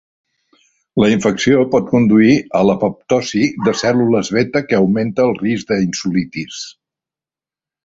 La infecció pot conduir a l'apoptosi de cèl·lules beta que augmenta el risc d'insulitis.